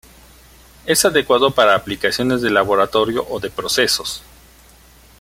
Es adecuado para aplicaciones de laboratorio o de procesos.